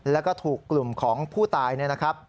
แล้วก็ถูกกลุ่มของผู้ตายเนี่ยนะครับ